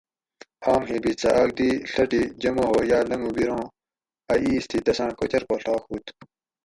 آم ہیٔبت سہۤ آک دی ڷٹی جمع ہو یا لنگُو بیرُوں اۤ اِیس تھی تساں کوچر پا ڷاق ہُوت